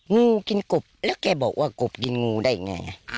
งูกินกบแล้วแกบอกว่ากบกินงูได้ไง